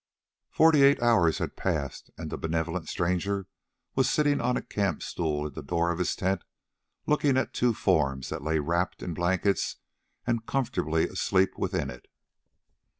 Forty eight hours had passed, and the benevolent stranger was sitting on a camp stool in the door of his tent, looking at two forms that lay wrapped in blankets and comfortably asleep within it.